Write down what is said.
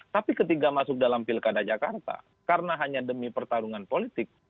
tapi ketika masuk dalam pilkada jakarta karena hanya demi pertarungan politik